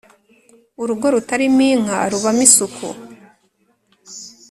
urugo rutarimo inka rubamo isuku,